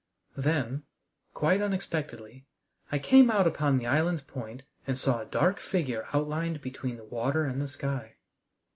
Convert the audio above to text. Then, quite unexpectedly, I came out upon the island's point and saw a dark figure outlined between the water and the sky.